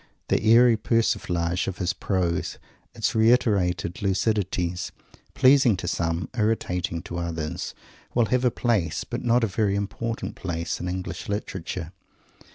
The airy persiflage of his prose its reiterated lucidities pleasing to some, irritating to others, will have a place, but not a very important place, in English Literature.